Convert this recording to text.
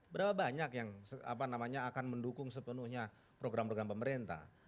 berapa banyak yang akan mendukung sepenuhnya program program pemerintah